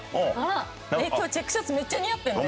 えっ今日チェックシャツめっちゃ似合ってるね。